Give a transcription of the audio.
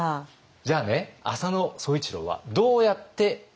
じゃあね浅野総一郎はどうやって勝ちにいったのか。